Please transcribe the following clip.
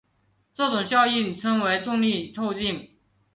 这种效应称为重力透镜。